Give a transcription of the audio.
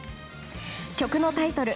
曲のタイトル